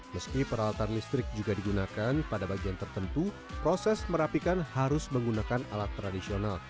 meski peralatan listrik juga digunakan pada bagian tertentu proses merapikan harus menggunakan alat tradisional